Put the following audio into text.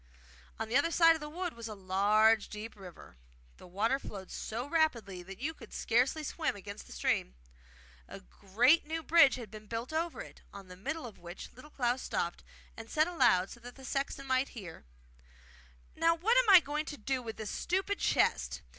On the other side of the wood was a large deep river. The water flowed so rapidly that you could scarcely swim against the stream. A great new bridge had been built over it, on the middle of which Little Klaus stopped, and said aloud so that the sexton might hear: 'Now, what am I to do with this stupid chest?